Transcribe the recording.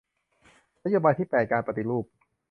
นโยบายที่แปดการปฏิรูป